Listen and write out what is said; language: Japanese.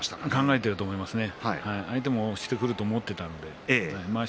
考えていたと思いますね。